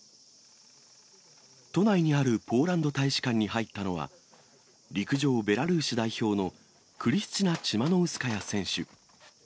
都内にあるポーランド大使館に入ったのは、陸上ベラルーシ代表のクリスチナ・チマノウスカヤ選手。